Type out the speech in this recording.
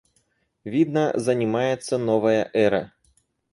Видно — занимается новая эра!